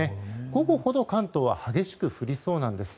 午後ほど、関東は激しく降りそうなんです。